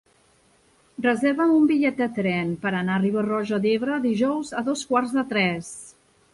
Reserva'm un bitllet de tren per anar a Riba-roja d'Ebre dijous a dos quarts de tres.